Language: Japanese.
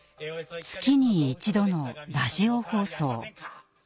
月に１度のラジオ放送。